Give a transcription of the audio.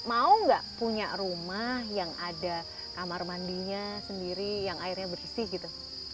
mau nggak punya rumah yang ada kamar mandinya sendiri yang airnya bersih gitu